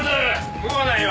動かないよ。